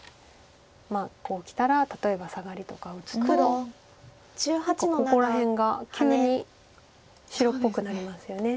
まあこうきたら例えばサガリとか打つと何かここら辺が急に白っぽくなりますよね。